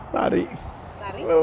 lari atau basket park